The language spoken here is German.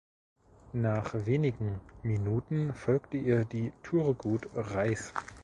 Nach wenigen Minuten folgte ihr die "Turgut Reis".